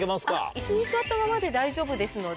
椅子に座ったままで大丈夫ですので。